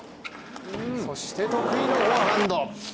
そして得意のフォアハンド。